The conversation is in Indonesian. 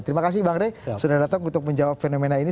terima kasih bang rey sudah datang untuk menjawab fenomena ini